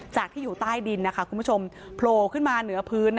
ที่อยู่ใต้ดินคุณผู้ชมโผล่ขึ้นมาเหนือพื้น